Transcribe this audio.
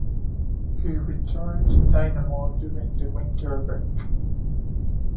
He returned to Dinamo during the winter break.